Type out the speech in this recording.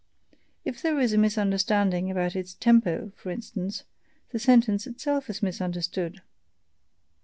If there is a misunderstanding about its TEMPO, for instance, the sentence itself is misunderstood!